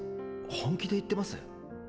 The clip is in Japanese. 本気で言ってます？